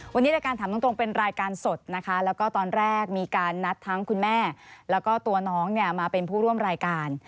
วันนี้รายการถามตรงเป็นรายการสดนะคะแล้วก็ตอนแรกมีการนัดทั้งคุณแม่แล้วก็ตัวน้องเนี่ยมาเป็นผู้ร่วมรายการ